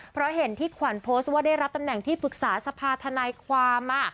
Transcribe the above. เพราะเห็นที่ขวัญโพสต์ว่าได้รับตำแหน่งที่ปรึกษาสภาธนายความ